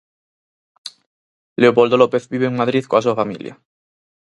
Leopoldo López vive en Madrid coa súa familia.